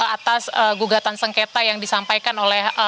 atas gugatan sengketa yang disampaikan oleh